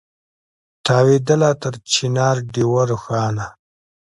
تاوېدله تر چنار ډېوه روښانه